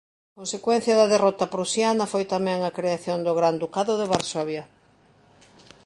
Consecuencia da derrota Prusiana foi tamén a creación do Gran Ducado de Varsovia.